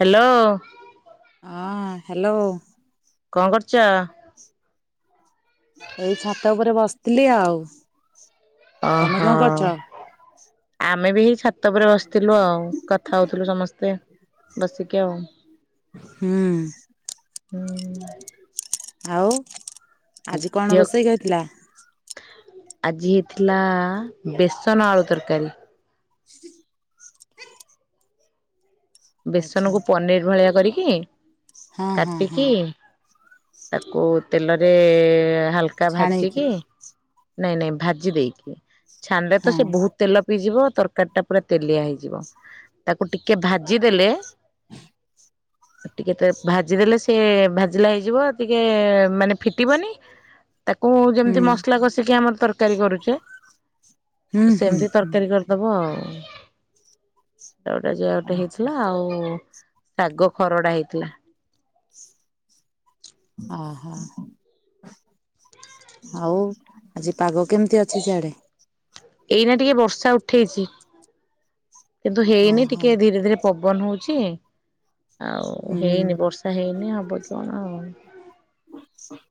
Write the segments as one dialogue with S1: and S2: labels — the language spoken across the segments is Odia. S1: ହ୍ୟାଲୋ।
S2: ହଁ ହ୍ୟାଲୋ।
S1: କଣ କରୁଛ?
S2: ଏଇ ଛାତ ଉପରେ ବସ ଥିଲି ଆଉ। ତମେ
S1: ଓହୋ
S2: କଣ କରୁଛ?
S1: ଆମେ ବି ହେଇ ଛାତ ଉପ ବସିଥିଲୁ ଆଉ କଥା ହଉଥିଲୁ ସମସ୍ତେ ବସିିକି ଆଉ।
S2: ହୁଁ।
S1: ହୁଁ।
S2: ଆଉ ଆଜି କଣ
S1: ଝିଅ
S2: ରୋଷେଇ କହିଥିଲା?
S1: ଆଜି ହେଇଥିଲା-ଆ-ଆ ବେସନ ଆଳୁ ତରକାରୀ।
S2: ହୁଁ। ଆଚ୍ଛା
S1: ବେସନକୁ ପନିର ଭଳିଆ କରିକି
S2: ହଁ ହଁ ହଁ
S1: କାଟିକି ତାକୁ ତେଲରେ-ଏ-ଏ-ଏ ହାଲକା ଭାଜି
S2: ଛାଣେଇକି
S1: କି ନାଇଁ ନାଇଁ ଭାଜି ଦେଇକି ଛାଣିଲେ ତ
S2: ହଁ
S1: ସେ ବହୁତ ତେଲ ପିଇଯିବ। ତରକାରୀ ଟା ପୁରା ତେଲିଆ ହେଇଯିବ ତାକୁ ଟିକେ ଭା ଜିଦେଲେ ଟିକେ ତ ଭାଜିଦେଲେ ସିଏ ଭାଜିଲା ହେଇଯିବ ଟିକେ-ଏ-ଏ ମାନେ ଫିଟିବନି ତାକୁ
S2: ହୁଁ
S1: ଯେମିତି ମସଲା କଷିକି ଆମର ତରକ୍ କାରୀ କରୁଛେ
S2: ହୁଁ ହୁଁ
S1: ସେମିତି
S2: ହୁଁ।
S1: ତରକାରୀ କରିଦବ ଆଉ। ତାଉଟା ସେ ହଟେ ହି
S2: ଆଚ୍ଛା
S1: ଥିଲା ଆଉ ଶାଗ ଖରଡା ହେଇଥିଲା।
S2: ହ ହ ହ। ଆଉ ଆଜି ପାଗ କେମିତି ଅଛି ସିଆଡେ?
S1: ଏଇନା ଟିକେ ବର୍ଷା ଉଠେଇଛି। କିନ୍ତୁ ହେଇନି
S2: ଓହୋ
S1: ଟିକେ ଧୀରେ ଧୀରେ ପବନ ହଉଛି ଆଉ
S2: ହୁଁ
S1: ହେଇନି ବର୍ଷା ହେଇନି ହବ ତ ଆଉ।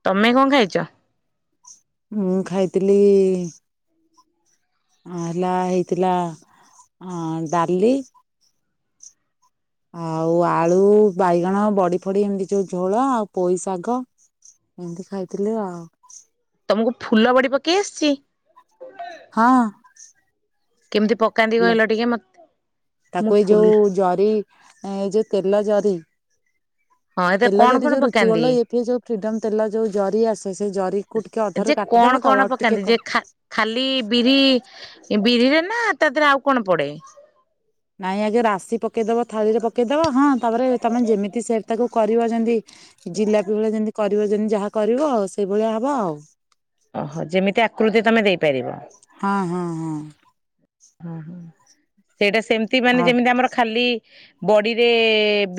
S1: ତମେ କଣ ଖାଇଛ?
S2: ମୁଁ ଖାଇଥିଲି-ଇ-ଇ-ଇ ଆ ହେଲା ହେଇଥିଲା ଅ ଡାଲି ଆଉ ଆଳୁ, ବାଇଗଣ, ବଡି ଫଡି ଏମିତି ଯୋଉ ଝୋଳ ଆଉ ପୋଇ ଶାଗ ଏମିତି ଖାଇଥିଲି ଆଉ।
S1: ତମକୁ ଫୁଲ ବଡି ପକେଇ ଆସିଛି?
S2: ହଁ।
S1: କେମିତି ପକାନ୍ତି
S2: ହେଲା
S1: କହିଲ ଟିକେ ମତେ? ମୁଁ
S2: ତାକୁ ଏଇ
S1: ଫୁଲ
S2: ଯୋଉ ଜରି ଏଇ ଯୋଉ ତେଲ ଜରି
S1: ହଁ ଏଥିରେ
S2: ତେଲ
S1: କଣ
S2: ଜରି
S1: କଣ
S2: ଯୋଉ ରୁଚି
S1: ପକାନ୍ତି?
S2: ଗୋଲ୍ଡ ଇଏ ଫିଏ ଯୋଉ ଫ୍ରିଡମ ତେଲ ଯୋଉ ଜରି ଆସେ, ସେଇ ଜରି କୁ ଟିକେ ଅଧାରୁ
S1: ଯେ କଣ
S2: କାଟିଦବ
S1: କଣ
S2: ତଳଆଡୁ ଟିକେ
S1: ପକାନ୍ତି
S2: କ
S1: ଯେ ଏ ବିରିରେ ନା ତା ଦେହରେ ଆଉ କଣ ପଡେ?
S2: ନାଇଁ ଆଜ୍ଞା ରାଶି ପକେଇଦବ ଥାଳିରେ ପକେଇଦବ ହଁ। ତାପରେ ତମେ ଯେମିତି ସେପ୍ ତାକୁ କରିବ ଯେମିତି ଜିଲାପି ଭଳିଆ ଯେମିତି କରିବ ଯେମିତି ଯାହା କରିବ ସେଇଭଳିଆ ହବ ଆଉ।
S1: ଓହୋ ଯେମିତି ଆକୃତି ତୁମେ ଦେଇପାରିବ।
S2: ହଁ ହଁ ହଁ।
S1: ହୁଁ ହୁଁ। ସେଇଟା ସେମିତି ମାନେ
S2: ଆଉ
S1: ଯେମିତି ଆମର ଖାଲି ବଡିରେ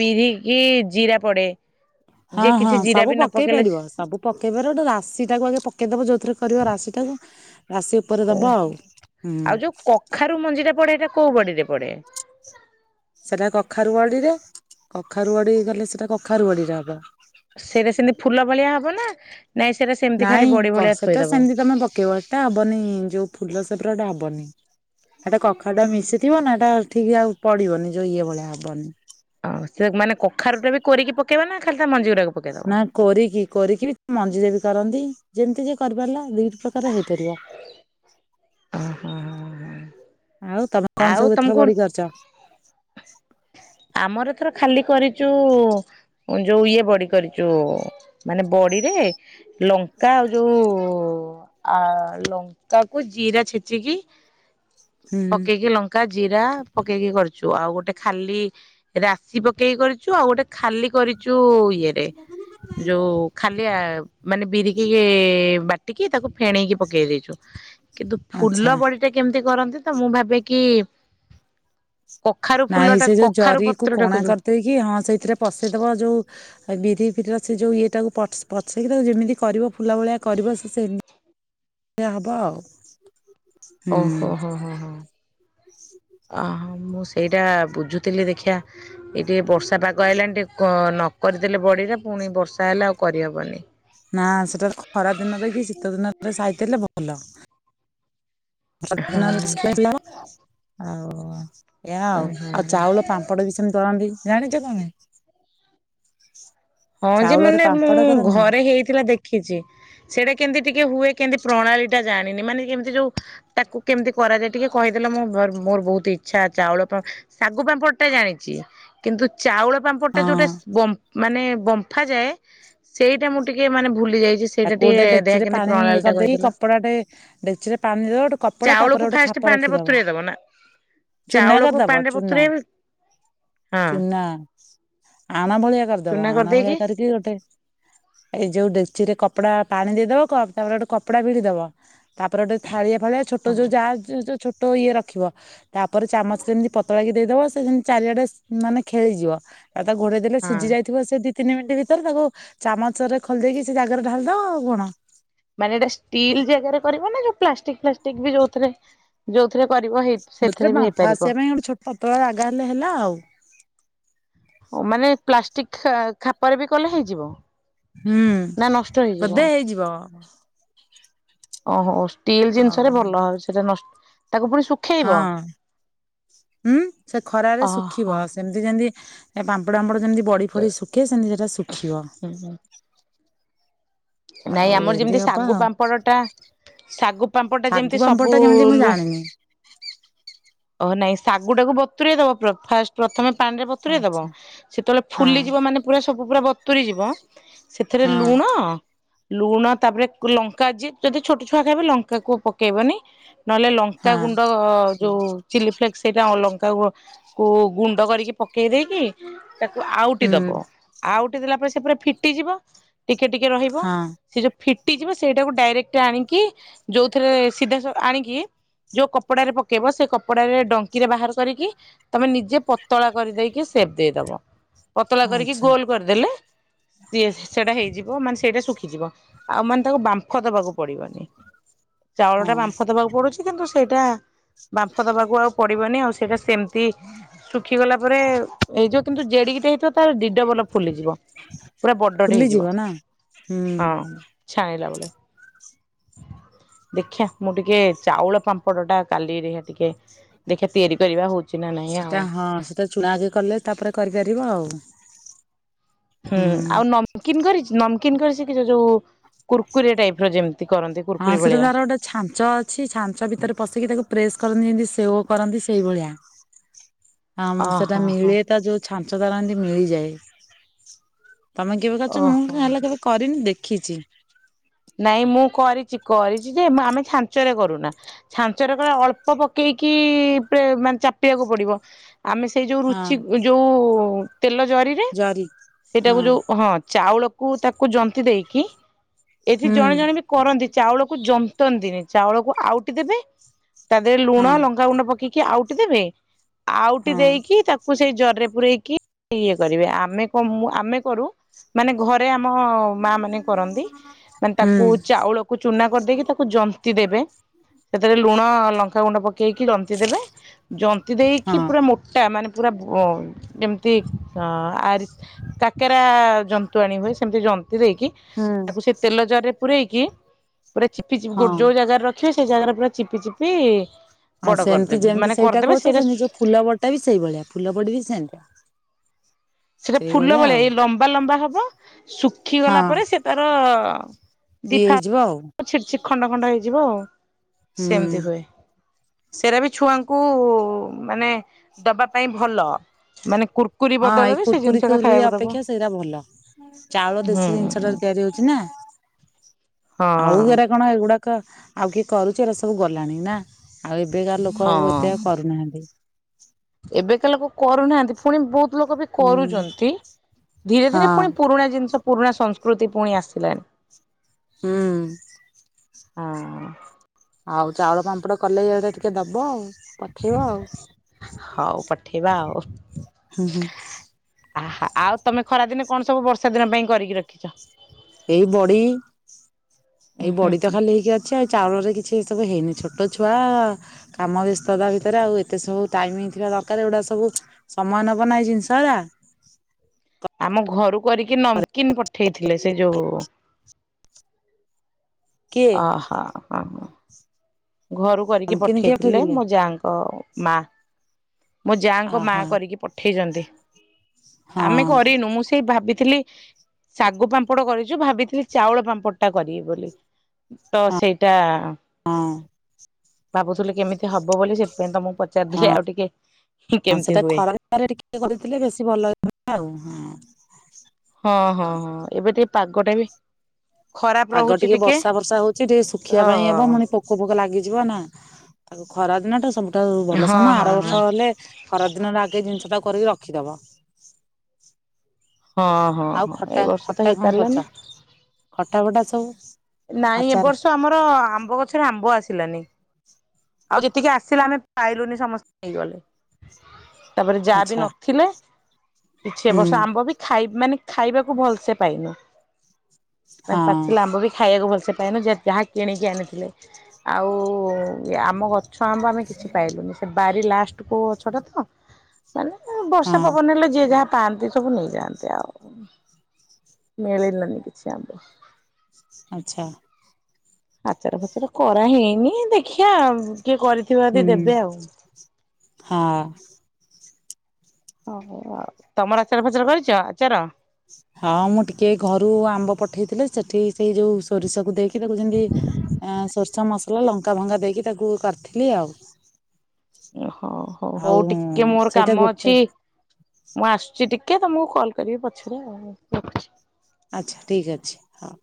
S1: ବିରିିକି ଜିରା ପଡେ
S2: ହଁ
S1: ଯେ
S2: ହଁ
S1: କିଛି ଜିରା
S2: ସବୁ
S1: ବି ନ
S2: ପକେଇ
S1: ପକେଇଲେ
S2: ପାରିବ ସବୁ ପକେଇ ପାରିବ ଗୋଟେ ରାଶି ଟାକୁ ଆଗେ ପକେଇଦବ ଯୋଉଥିରେ କରିବ ରାଶିଟାକୁ
S1: ଓହୋ ଆଉ ଯୋଉ କଖାରୁ ମଞ୍ଜି ଟା ପଡେ ଏଇଟା କୋଉ ବଡିରେ ପଡେ?
S2: ସେଟା କଖାରୁ ବଡିରେ କଖାରୁୁବଡି ଗଲେ ସେଟା କଖାରୁ ବଡିରେ ହବ।
S1: ସେଇଟା ସେମିତି ଫୁଲ ଭଳିଆ ହବ? ହବ ନା ନାଇଁ ସେଇଟା ସେମିତି ଖାଲି
S2: ନାଇଁ
S1: ବଡି
S2: କ
S1: ଭଳିଆ
S2: ସେଟା
S1: ଥୋଇଦବ?
S2: ସେମିତି ତମେ ପକେଇବା ସେଟା ହବନି ଯୋଉ ଫୁଲ ସେପର ଟା ହବନି। ଏଇଟା କଖାରୁଟା ମିଶିଥିବ ନା ଏଟା ଠିକ ଆଉ ପଡିବନି ଯୋଉ ଇଏ ଭଳିଆ ହବନି।
S1: ପକେଇବ ନା ଖାଲି ତା ମଞ୍ଜି ଗୁରା
S2: ନା କୋରିକି କୋରିକି ବି ମଞ୍ଜି ଦେଇଦେବ। କରନ୍ତି ଯେମିତି ଯେ କରିପାରିଲା ଦି ପ୍ରକାରର ହେଇପାରିବ।
S1: ଓହୋ
S2: ଆଉ ତମେ କଣ
S1: ଆଉ
S2: ସବୁ ଏଥର
S1: ତମକୁ
S2: ବଡି କରିଚ? ହଁ।
S1: ଆମର ଏଥର ଖାଲି କରିଚୁ ଯୋଉ ଇଏ ବଡି କରିଛୁ ମାନେ ବଡିରେ ଲଙ୍କା ଆଉ ଯୋଉ ଓ ଆ ଲଙ୍କାକୁ ଜିରା ଛେଚିକି
S2: ହୁଁ
S1: ପକେଇକି ଲଙ୍କା ଜିରା ପକେଇକି କରିଛୁ ଆଉ ଗୋଟେ ଖାଲି ରାଶି ପକେଇକି କରିଛୁ ଆଉ ଗୋଟେ ଖାଲି କରିଛୁ ଇଏ ଟାଏ ଯୋଉ ଖାଲିଆ ମାନେ ବିରିକି ବାଟି ଟିକେ ତାକୁ ଫେଣେଇକି ପକେଇ ଦେଇଛୁ କିନ୍ତୁ ଫୁଲ
S2: ଆଚ୍ଛା
S1: ବଡି ଟା କେମିତି କରନ୍ତି ତ ମୁଁ ଭାବେ କି କଖାରୁ ଫୁଲ ଟା
S2: ଜରିକୁ କଣା କରିଦେଇକି ହଁ ସେଇଥିରେ ପଶେଇଦେବ ଯୋଉଁ ଆଉ ବିରି [inaudible] ସେ ଯୋଉ ଇଏଟାକୁ ପଚ ପଛରିଦେଇବ ଯେମିତି କରିବ ଫୁଲ ଭଳିଆ କରିବ ସେ ସେମ ସେଆ ହବ ଆଉ ହୁଁ
S1: ଓହୋ ହୋ ହୋ ହୋ ଆହା ମୁଁ ସେଇଟା ବୁଝୁଥିଲି ଦେଖିିବା ଏଟେ ବର୍ଷ ବର୍ଷା ପାଗ ଅଇଲା ଟିକେ କ ନ କରିଦେଲେ ବଡିଟା ପୁଣି ବର୍ଷା ହେଲେ ଆଉ କରି ହବନି।
S2: ନା ସେଟା ଖରା ଦିନରେ କି ଶୀତ ଦିନରେ ଛାତ ରେ ଶୁଖେଇଲେ ହବ ହୋଉ [inaudible] ଏୟା ଆଉ ଆଉ ଚାଉଳ ପାମ୍ପଡ଼ ବି ସେମିତି କରନ୍ତି ଯାଣି [inaudible]
S1: ହଁ ଯେ ମାନେ ମୁଁ ଘରେ ହେଇଥିଲା ଦେଖିଛି ସେଟା କେମିତି ଟିକେ ହୁଏ କେମିତି ପ୍ରଣାଳୀ ଟା ଜାଣିନି ମାନେ କେମିତି ଯୋଉ ତାକୁ କେମିତି କରାଯାଏ ଟିକେ କହିଦେଲେ ମୁଁ ମୋର ବହୁତ ଇଚ୍ଛା ଚାଉଳ ଶାଗୁ ପାମ୍ପଡ଼ ଟା ଜାଣିଛି କିନ୍ତୁ ଚାଉଳ ପାମ୍ପଡ ଟା
S2: ହଁ
S1: ଯୋଉଟା ଗମ୍ଫ ମାନେ ଗମ୍ଫା ଯାଏ ସେଇଟା ମୁଁ ଟିକେ ମାନେ ଭୁଲି ଯାଇଚି ସେଇଟା
S2: ତାକୁ
S1: ଟିକେ
S2: ଗୋଟେ
S1: ଦେଖିଆ
S2: ଡେକ୍ଚିରେ
S1: କେମିତି
S2: ପାଣି
S1: ପ୍ରଣାଳୀ ଟା
S2: କରିଦେଇ
S1: କହିଦେଲ।
S2: କପଡାଟେ ଡେକ୍ଚିରେ ପାଣି ଦବା ଗୋଟେ କପଡା
S1: ଚାଉଳକୁ
S2: ତାପରେ ଗୋଟେ
S1: ଫାଷ୍ଟ
S2: ଖାପ
S1: ପାଣିରେ
S2: ରଖିଦେବ
S1: ବତୁରେଇ ଦବ ନା
S2: ଚୁନାର
S1: ଚାଉଳକୁ
S2: କରିଦବ
S1: ପାଣିରେ
S2: ଚୁନା
S1: ବତୁରେଇବେ ହଁ
S2: ଚୁନା ଆଣ ଭଳିଆ କରିଦବ
S1: ଚୁନା
S2: ଆଣ ଆଣ ଭଳିଆ
S1: କରିଦେଇକି
S2: କରିକି ଗୋଟେ ଏଇ ଯୋଉଁ ଡେ଼କଚି ରେ କପ କପଡା ପାଣି ଦେଇଦବ ତାପରେ ଗୋଟେ କପଡା ଭିଡି ଦବ ତାପରେ ଗୋଟେ ଥାଳିଆ ଭଳିଆ ଛୋଟ
S1: ହଁ
S2: ଯୋଉ ଯାର ଯୋ ଛୋଟ ଏଇ ରଖିବ ତାପରେ ଚାମଚରେ ଏମିତି ପତଳା କି ଦେଇଦବ ସେ ଯେମିତି ଚାରିଆଡେ ମାନେ ଖେଳିଯିବ ତା ଘୋଡେଇ ଦେଲେ
S1: ହଁ
S2: ସିଝି ଯାଇଥିବ ସେ ତିନି ମିନିଟ୍ ଭିତରେ ତାକୁ ଚାମଚରେ ଖୋଲି ଦେଇକି ସେ ଯା ସେଟାରେ ଢାଳଦେବ ଆଉ କଣ
S1: ମାନେ ଏଇଟା ଷ୍ଟିଲ୍ ଜାଗାରେ କରିଵନା ଯୋଉ ପ୍ଲାଷ୍ଟିକ ଫ୍ଲାଷ୍ଟିକ ବି ଯୋଉଥିରେ ଯୋଉ
S2: ବୁଝିଲ ବାମ୍ଫା ଆସିବା ପାଇଁ ଗୋଟେ ଛୋଟ ପତଳା ଜାଗା ହେଲେ ହେଲା ଆଉ
S1: ହଉ ମାନେ ପ୍ଲାଷ୍ଟିକ ଖାପରେ ବି କଲେ ହେଇଯିବ।
S2: ହୁଁ
S1: ନା ନଷ୍ଟ ହେଇଯିବ?
S2: ବଧେ ହେଇଯିବ।
S1: ଓହୋ। ଷ୍ଟିଲ୍
S2: ଆଉ
S1: ଜିନିଷରେ ଭଲ ସେଟା ନଷ୍ଟ ତାକୁ ପୁଣି ଶୁଖେଇବ
S2: ହଁ ହୁଁ ସେ ଖରାରେ
S1: ଓହୋ
S2: ଶୁଖିବ ସେମତି ଯେମିତି ପାମ୍ପଡମ୍ପଡ ଯେମିତି ବଢ ଫଡି ଶୁଖେ ସେମିତି ସେଟା ଶୁଖିବ।
S1: ହୁଁ ହୁଁ ନାଇଁ
S2: ଆଉ
S1: ଆମର
S2: ଏମିତି
S1: ଯେମିତି
S2: ହବ
S1: ଶାଗୁ
S2: ଆଉ
S1: ପାମ୍ପଡ଼ ଟା ଶାଗୁ ପାମ୍ପଡ଼ ଟା
S2: ଶାଗୁ
S1: ଯେମିତି
S2: ପାମ୍ପଡ
S1: ସବୁ
S2: ଟା କେମିତି ମୁଁ
S1: ଲୁ
S2: ଜାଣିନି
S1: ଓହ ନାଇଁ ଶାଗୁଟାକୁ ବତୁୁରାଇ ଦବ ପ୍ର ଫାଷ୍ଟ ପ୍ର ତମେ ପାଣି ରେ ବତୁରେଇ ଦବ
S2: ଆଚ୍ଛା।
S1: ସେତେବେଳେ
S2: ହଁ
S1: ଫୁଲିଯିବ ମାନେ ପୁରା ସବୁ ପୁରା ତୁରି ଯିବ ସେଥିରେ
S2: ହଁ
S1: ଲୁଣ ଲୁଣ ତାପରେ ଲଙ୍କା ଯଏ ଯଦି ଛୋଟ ଛୁଆ ଖାଇବେ ଲଙ୍କା କ ପକେଇବନି ନହେଲେ
S2: ହଁ
S1: ଲଙ୍କାଗୁଣ୍ଡ ଅ ଯୋଉ ଚିଲି ଫ୍ଲେକ୍ ସେଇଟା ଅଲଙ୍କା କୁ ଗୁଣ୍ଡ କରିକି ପକେଇ ଦେଇେଇକି ତାକୁ ଆଉଟି
S2: ହୁଁ
S1: ଦବ ଆଉ ଫଟିଲା ପରେ ସେପରେ ଫିଟିଯିବ ଟିକେ ଟିକେ ସେ ଯୋଉ
S2: ହଁ
S1: ଫିଟ ଫିଟିଯିବ ସେଇଟାକୁ ଡାଇରେକ୍ଟ ଆଣିକି ଯୋଉଥିରେ ସିଧା ଆଣିକି ଯୋଉ କପଡାରେ ପକେଇବ ସେ କପଡାରେ ଡଙ୍କିରେ ବାହାର କରିକି ତମେ ନିଜେ ପତଳା କରିଦେଇକି ସେପ ଦେଇଦବ। ପତଳା କରିକି
S2: ଆଚ୍ଛା
S1: ଗୋଲ କରିଦେଲେ ସିଏ ସେଟା ହେଇଯିବ ହ ମାନ ସେଇଟା ସୁଖ ଖିବ ଆଉ ମାନେ ତାକୁ ବାମ୍ଫ ଦବାକୁ ପଡିବନି ଚାଉଳ ଟା
S2: ହଁ।
S1: ବାମ୍ଫ ଦେବାକୁ ପଡୁଛି କିନ୍ତୁ ସେଇଟା ବାମ୍ଫ ଦବାକୁ ଆଉ ପଡିବନି ଆଉ ସେଇଟା ସେମିତି ଶୁଖିଗଲା ପରେ ହେଇଯିବ କିନ୍ତୁ ଜେଡିକିଟା ହେଇଥିବ ତାର ଡିଡବଲ୍ ଫୁଲିଯିବ ପୁରା ବଡ଼ଟେ ହେଇଯିବ।
S2: ଫୁଲିଯିବ ନା ହୁଁ।
S1: ହଁ ଦେଖିଆ ମୁଁ ଟିକେ ଚାଉଳ ପାମ୍ପଡ଼ ଟା କାଲିରେ ଟିକେ ଦେଖିବା ତିଆରି କରିବା ହଉଛି ନା ନାଇଁ ଆଉ।
S2: ସେଟା ହଁ ସେଟା ଚୁଣାକ କଲେ ତାପରେ କରିପାରିବ ଆଉ।
S1: ହୁଁ ଆଉ ନମକିନ କରିଛି ନମକିନ୍ କରି ଶିଖିଛ ଯୋଉ କୁୁରକୁରିଆ ଟାଇପ ର ଯେମତି
S2: ହଁ ସେଟା ତାର ଗୋଟେ ଛାଞ୍ଚ ଅଛି ଛାଞ୍ଚ ଭିତରେ ପଶେଇିକି ତାକୁ ପ୍ରେସ କରନ୍ତି ଯେମତି ସେଓ କରନ୍ତି ସେଇ ଭଳିଆ। ଆ ସେଟା
S1: ଓହୋ ହୋ
S2: ମିଳେ ତା ଯୋଉ ଛାଞ୍ଚ ଧାରନ୍ତି ମିଳିଯାଏ। ତମେ କେବେ କଚଛ ମୁଁ
S1: ଓହୋ
S2: କ ହେଲେ କେବେ କରିନି ଦେଖି ଖିଚି।
S1: ନାଇଁ ମୁଁ କରିଛି କରିଛି ଯେ ଆମେ ଛାଞ୍ଚରେ କରୁନା ଛାଞ୍ଚରେ କଲେ ଅଳ୍ପ ପକେଇକି ମାନେ ଚାପିବାକୁ ପଡିବ ଆମେ ସେଇ ଯୋଉ
S2: ହଁ
S1: ରୁଚି ଯୋଉ ତେଲ ଜରିରେ
S2: ଜରି ହଁ
S1: ସେଇଟାକୁ ଯୋଉ ହଁ ଚାଉଳ କୁ ତାକୁ ଜନ୍ତିି ଦେଇକି ଏଠି
S2: ହୁଁ
S1: ଜଣେ ଜଣେ ବି କରନ୍ତି ଚାଉଳକୁ ଜମ ନ୍ତନ୍ତିନି ଚାଉଳକୁ ଆଉଟି ଦେବେ ତା ଦେହରେ ଲୁଣ
S2: ହଁ
S1: ଲଙ୍କାଗୁଣ୍ଡ ପକେଇକି କି ଆଉ ଟିକେ ଦେ ଆଉଟି
S2: ହଁ
S1: ଦେଇକି ତାକୁ ସେଇ ଜରିରେ ପୂରେଇକି ଇଏ କରିବେ ଆମେ କ ଆମେ କରୁ ମାନେ ଘରେ ଆମେ ଆମ ମା ମାନେ କରନ୍ତି। ତାକୁ
S2: ହୁଁ।
S1: ଚାଉଳକୁ ଚୁନା କରିଦେଇକି ତାକୁ ଜନ୍ତି ଦେବେ ସେଥିରେ ଲୁଣ ଲଙ୍କା ଲଙ୍କାଗୁଣ୍ଡ ପକେଇ ପକେଇକି ଜନ୍ତି ଦେବେ ଜନ୍ତି ଦେଇକି
S2: ହଁ
S1: ପୁରା ମୋଟା ମାନେ ପୁରା ବ ଯେମିତି ଆରି କାକେରା ଜନ୍ତଣି ହୁଏ ସେମିତି ଜନ୍ତ ଦେଇକି ତାକୁ ସେ ତେଲ ଜରିରେ ପୂରେଇକି ପୁରା ଚିପି ଚିପି
S2: ହଁ।
S1: ଯୋଉ ଜାଗାରେ ରଖି ଖେ ସେଇ ଜାଗାରେ ପୁରା ଚିପି ଚିପି
S2: ଆଉ
S1: ବଡ
S2: ସେମିତି
S1: କରିଦେବେ
S2: ଯେମିତି
S1: ମାନେ
S2: ସେଇଟା
S1: କରିଦେବେ
S2: କହୁଛ ସେମିତି
S1: ସେଇଟା
S2: ଯୋଉ ଫୁଲ ବଡିଟା ବି ସେଇଭଳିଆ ଫୁଲ ବଡି ବି ସେମତିଆ।
S1: ସେଟା ଫୁଲ ଭଳିଆ ଏଇ ଲମ୍ବା ଲମ୍ବା ହବ ଶୁଖି ଗଲା ପରେ
S2: ହଁ
S1: ସେ ତାର ହଁ।
S2: ଇଏ ହେଇଯିବ ଆଉ।
S1: ଖଣ୍ଡ ଖଣ୍ଡ ହେଇଯିବ ଆଉ।
S2: ହୁଁ
S1: ସେମିତି ହୁଏ। ସେଇରା ବି ଛୁଆଙ୍କୁ ମାନେ ଦବା ପାଇଁ ଭଲ ମାନେ କୁର୍ କୁରୀ ବଦଳରେ
S2: କୁର୍
S1: ଜିନିଷ ଟା
S2: କୁରୀ
S1: ଖାଇବାକୁ ଦବ
S2: ଅପେକ୍ଷା ସେଇଟା ଭଲ ଚାଉଳ ଦେଶୀ ଜିନିଷଟାରେ
S1: ହୁଁ।
S2: ତିଆରି ହଉଛି ନା।
S1: ହଁ
S2: ଆଉ ହେରା କଣ ଏଗୁଡାକ କ ଆଉ କିଏ କରୁଛ ଏଇରା ସବୁ ଗଲାଣି ନା। ଆଉ ଏବେକା ଲୋକ ଆଉ
S1: ହଁ
S2: ଏତେ କରୁନାହାଁନ୍ତି।
S1: ଏବେକା ଲୋକ କରୁନାହାଁନ୍ତି ଫୁଣି ବୁପ୍ ଲୋକ ବି
S2: ହୁଁ
S1: କରୁଛନ୍ତି ଧୀରେ ଧୀରେ
S2: ହଁ
S1: ପୁଣି ପୁରୁଣା ଜିନିଷ ପୁରୁଣା ସଂସ୍କୃତି ପୁଣି ଆସିଲାଣି।
S2: ହୁଁ।
S1: ହଁ।
S2: ଆଉ ଚାଉଳ ପାମ୍ପଡ କଲେ ଇଆଡେ ଟିକେ ଦବ ଆଉ। ପଠେଇବ ଆଉ
S1: ହଉ ପଠେଇବା ଆଉ।
S2: ହୁଁ ହୁଁ।
S1: ଆ ଆଉ ତମେ ଖରାଦିନେ କଣ ସବୁ ବର୍ଷା ଦିନ ପାଇଁ କରିକି ରଖିଛ।
S2: ଏଇ ବଡି
S1: ଉଁ
S2: ଏଇ
S1: ହୁଁ
S2: ବଡି ତ
S1: ହୁଁ
S2: ଖାଲି ହେଇକି ଅଛି ଆ ଚାଉଳରେ କିଛି ଏ ସବୁ ହେଇନି ଛୋଟ ଛୁଆ କାମ ବ୍ୟସ୍ତତା ଭିତରେ ଆଉ ଏତେ ସବୁ ଟାଇମ ଥିବା ଦରକାର ଏଗୁଡା ସବୁ ସମୟ ନବ ନାହିଁ ଜିନିଷ ଗୁଡା।
S1: ଆମ ଘରୁ କରିକି ନମକିନ ପ ଠେଇଥିଲେ ସେ ଯୋଉ
S2: କିଏ
S1: ଅ ହ ହ ହ। ଘରୁ କରିକି
S2: ତମକିନି କିଏ
S1: ପଠେଇଥିଲେ ମୋ ଯାଙ୍କ ମା। ମୋ ଯାଙ୍କ ମା
S2: ଅହୋ
S1: କରିକି ପଠେଇଛନ୍ତି
S2: ହଁ
S1: ଆମେ କରିନୁ ମୁଁ ସେଇ ଭାବିଥିଲି ଶାଗୁ ପାମ୍ପଡ କରିଛୁ ଭାବିଥିଲି ଚାଉଳ ପାମ୍ପଡ଼ ଟା କରିବି ବୋଲି ତ
S2: ହଁ
S1: ସେଇଟା
S2: ହଁ।
S1: ଭାବୁଥିଲ କେମିତି ହବ ବୋଲି ସେଥିପାଇଁ ତମକୁ ପଚାରିଦି ଆଉ ଟିକେ
S2: ହଁ
S1: କେମିତି
S2: ସେଟା
S1: ହୁଏ
S2: ଖରା ଟିକେ କରିଥିଲେ ବେଶୀ ଭଲ ଲ ଆଉ ହଁ।
S1: ହଁ ହଁ ହଁ ଏବେ ଟିକେ ପାଗଟେ ବି ଖରାପ
S2: ପାଗ
S1: ରହୁଛି
S2: ଟିକେ ବର୍ଷା ବର୍ଷା ହଉଛି ଟିକେ ଶୁଖିବା
S1: ତ
S2: ପାଇଁ ହେବ ପୁଣି ପୋକ ଫୋକ ଲାଗିଯିବ ନା। ତାକୁ ଖରା ଦିନ ଟା ସମ ଟ ଭଲ
S1: ହଁ
S2: ସମୟ
S1: ହଁ ହଁ
S2: ଆର ବର୍ଷ ହେଲେ ଖରା ଦିନରେ ଆଗେ ଜିନିଷ ସେଟା କରିକି ରଖିଦବ।
S1: ହଁ ହଁ
S2: ଆଉ
S1: ହଁ
S2: ଖଟା
S1: ଏଇ ବର୍ଷ ତ
S2: ଖଟା କଣ କରୁଛ
S1: ହେଇପାରିଲାନି
S2: ଖଟା ବଟା ସବୁ
S1: ନାଇଁ ଏ
S2: ଆଚାର
S1: ବର୍ଷ ଆମର ଆମ୍ବ ଗଛରେ ଆମ୍ବ ଆସ ଲାନି। ଆଉ ଯେତିକି ଆସିଲା ଆମେ ପାଇଲୁନି ସମସ୍ତେ ନେଇଗଲେ। ତାପରେ ଯାହା ବି
S2: ଆଚ୍ଛା
S1: ନଥିଲେ କିଛ
S2: ହୁଁ
S1: ବର୍ଷ ଆମ୍ବ ବି ଖାଇବ ମାନେ ଖାଇବାକୁ ଭଲସେ ପାଇନୁ।
S2: ହଁ
S1: ମାନ ପାଚିଲା ଆମ୍ବ ବି ଖାଇବାକୁ ଭଲସେ କନ ଯ ଯାହା କିଣିକି ଆଣିଥିଲେ ଆଉ ଆମ କ ଛଆମ୍ବ ଆମେ କିଛି ପାଇଲୁନି ସେ ବାରି ଲାଷ୍ଟକୁ ଅଛଟା ତ ମାନେ
S2: ହଁ
S1: ବର୍ଷା ପବନ ହେଲେ ଯିଏ ଯାହା ପାଆନ୍ତି ସବୁ ନେଇଯାଆନ୍ତି ଆଉ ମିଳିଲାନି କିଛି ଆମ୍ବ
S2: ଆଚ୍ଛା।
S1: ଆଚାର ଫଚାର କରା ହେଇନି ଦେଖିଆ ଆଉ
S2: ହୁଁ ହଁ।
S1: ହଉ ଆଉ। ତମର ଆଚାର ଫଚାର କରିଚ, ଆଚାର?
S2: ହଁ ମୁଁ ଟିକେ ଏଇ ଘରୁ ଆମ୍ବ ପଠେଇଥିଲେ ସେଠି ସେଇ ଯୋଉ ସୋରିଷକୁ ଦେଇ କି ତାକୁ ଯେନ୍ତି ଅ ସୋରିଷ ମସଲା ଲ କା ଭଙ୍କା ଦେଇକି ତାକୁ କରିଥିଲି ଆଉ।
S1: ଉଁ ହଉ ହଉ
S2: ଆଉ
S1: ହୋଉ ଟିକେ ମୋର
S2: ସେଇଟା
S1: କାମ
S2: ଗୋଟେ
S1: ଅଛି ମୁଁ ଆସୁଚି ଟି କିଏ ତମୁକୁ ମୁଁ କଲ୍ କରିବି ପଛରେ ଆଉ ରଖୁଛି।
S2: ଆଚ୍ଛା ଠିକ ଅଛି ହଁ।